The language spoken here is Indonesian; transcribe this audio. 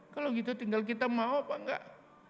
kalau gitu tinggal kita mau apa enggak